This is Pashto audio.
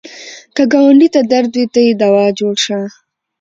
که ګاونډي ته درد وي، ته یې دوا جوړ شه